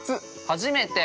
◆初めて！？